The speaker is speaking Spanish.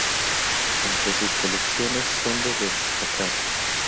Entre sus colecciones son de destacar.